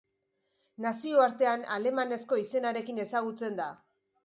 Nazioartean alemanezko izenarekin ezagutzen da.